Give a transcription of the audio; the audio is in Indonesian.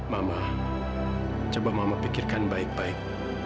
mama coba mama pikirkan baik baik